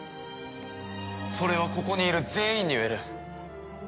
それはここにいる全員に言える。